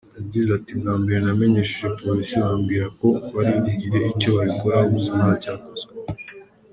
Yagize ati” Bwa mbere namenyesheje polisi, bambwira ko bari bugire icyo babikoraho gusa ntacyakozwe.